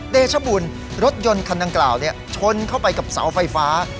เดชบุญรถยนต์คันดังกล่าวชนเข้าไปกับเสาไฟฟ้า